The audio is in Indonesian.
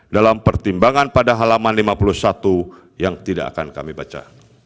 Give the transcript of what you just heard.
dalam pertimbangan pada halaman lima puluh satu yang tidak akan kami baca